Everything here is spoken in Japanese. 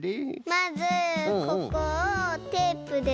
まずここをテープでとめて。